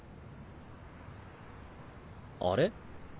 あれ？